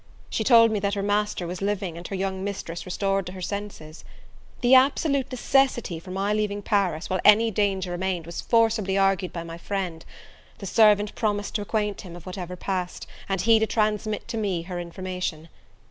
She told me that her master was living, and her young mistress restored to her senses. The absolute necessity for my leaving Paris, while any danger remained, was forcibly argued by my friend: the servant promised to acquaint him of whatever passed, and he to transmit to me her information.